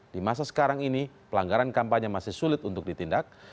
di masa sekarang ini pelanggaran kampanye masih sulit untuk ditindak